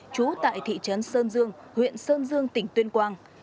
trú tại thị trấn sơn dương huyện sơn dương tỉnh tuyên quang